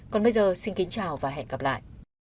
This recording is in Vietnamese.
còn bây giờ xin kính chào và hẹn gặp lại